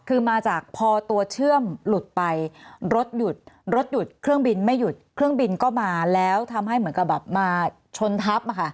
คือมาจากพอตัวเชื่อมหลุดไปรถหยุดรถหยุดเครื่องบินไม่หยุดเครื่องบินก็มาแล้วทำให้เหมือนกับแบบมาชนทับ